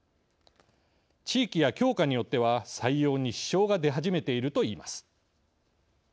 地域や教科によっては採用に支障が出始めているといいます。